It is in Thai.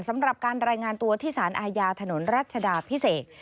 สำหรับการรายงานตัวที่สารอาญาถนนรัชดาพิเศษ